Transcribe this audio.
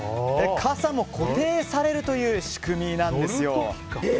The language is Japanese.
傘も固定されるという仕組みなんですよ。